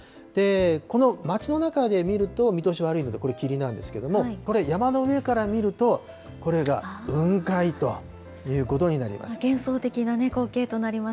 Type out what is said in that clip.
この町の中で見ると、見通し悪いのが、霧なんですけれども、これ、山の上から見ると、幻想的な光景となります